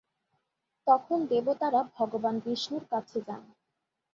তখন দেবতারা ভগবান বিষ্ণুর কাছে যান।